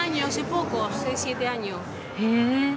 へえ。